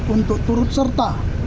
untuk turut serta